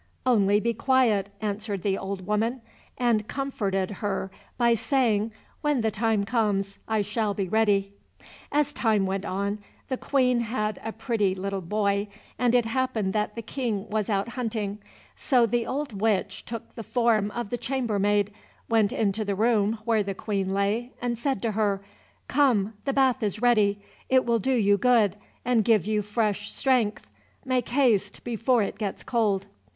"Only be quiet," answered the old woman, and comforted her by saying, "when the time comes I shall be ready." As time went on, the Queen had a pretty little boy, and it happened that the King was out hunting; so the old witch took the form of the chamber maid, went into the room where the Queen lay, and said to her, "Come, the bath is ready; it will do you good, and give you fresh strength; make haste before it gets cold."